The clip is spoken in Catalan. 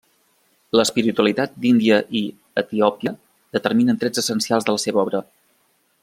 L'espiritualitat d'Índia i Etiòpia determinen trets essencials de la seva obra.